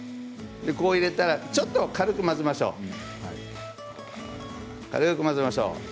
こう入れたらちょっと軽く混ぜましょう。